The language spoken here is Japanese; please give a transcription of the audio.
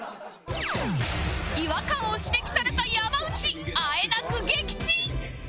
違和感を指摘された山内あえなく撃沈